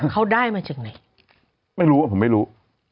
เขาได้มาจากไหนไม่รู้ผมไม่รู้